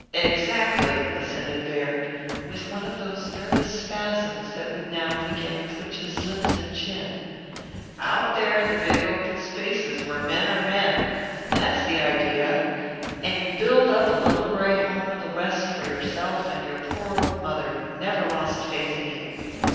"Exactly," assented Baird, with one of those nervous spasms that would now and again twitch his lips and chin. "Out there in the big open spaces where men are men that's the idea. And you build up a little gray home in the West for yourself and your poor old mother who never lost faith in you.